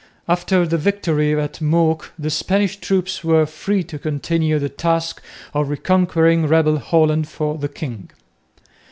After the victory at Mook the Spanish troops were free to continue the task of reconquering rebel Holland for the king.